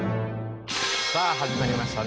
さあ始まりました